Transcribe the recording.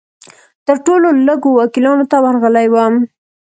تر ټولو لږو وکیلانو ته ورغلی وم.